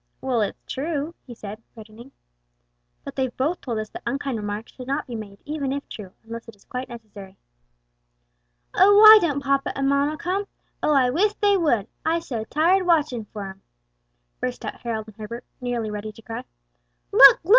"Well, it's true," he said reddening. But they've both told us that unkind remarks should not be made even if true: unless it is quite necessary." "Oh, why don't papa and mamma come?" "Oh, I wis dey would! I so tired watchin' for 'em!" burst out Harold and Herbert, nearly ready to cry. "Look! look!"